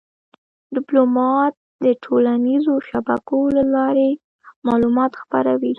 ډيپلومات د ټولنیزو شبکو له لارې معلومات خپروي.